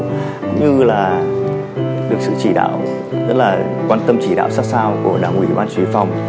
cũng như là được sự chỉ đạo rất là quan tâm chỉ đạo sát sao của đảng ủy ban chế phòng